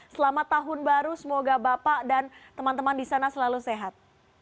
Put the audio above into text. selamat tahun baru semoga bapak dan teman teman di sana selalu sehat